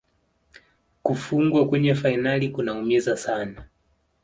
Kufungwa kwenye fainali kunaumiza sana